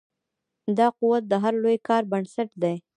دا قوت د هر لوی کار بنسټ دی.